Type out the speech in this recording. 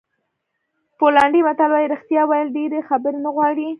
پولنډي متل وایي رښتیا ویل ډېرې خبرې نه غواړي.